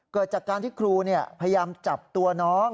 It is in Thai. เกิดจากการที่ครูพยายามจับตัวน้อง